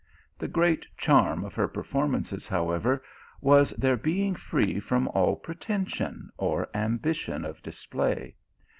The great charm of her per formances, however, was their being free from all pretension or ambition of display.